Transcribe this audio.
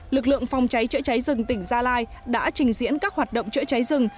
lực lượng phòng cháy chữa cháy rừng tỉnh gia lai đã trình diễn các hoạt động chữa cháy rừng